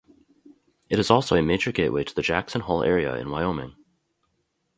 It is also a major gateway to the Jackson Hole area in Wyoming.